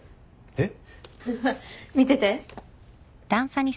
えっ？